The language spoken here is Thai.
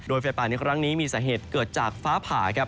โดยไฟป่าในครั้งนี้มีสาเหตุเกิดจากฟ้าผ่าครับ